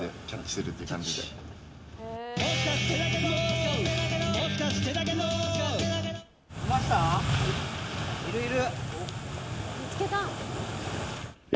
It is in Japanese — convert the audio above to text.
いるいる。